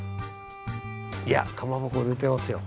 いやかまぼこ売れてますよ。